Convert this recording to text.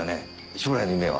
将来の夢は？